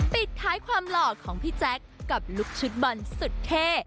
ปิดท้ายความหล่อของพี่แจ๊คกับลูกชุดบอลสุดเท่